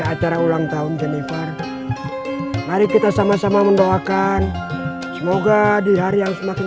acara ulang tahun jennifer mari kita sama sama mendoakan semoga di hari yang semakin